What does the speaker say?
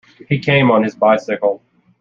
He came on his bicycle.